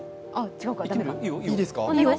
いいですか？